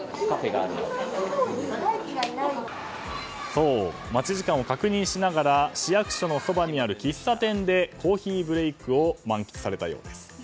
そう、待ち時間を確認しながら市役所のそばにある喫茶店でコーヒーブレークを満喫されたようです。